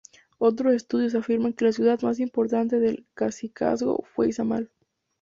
Otros estudiosos afirman que la ciudad más importante del cacicazgo fue Izamal.